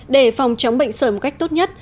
để phòng chống bệnh sởi một cách tốt nhất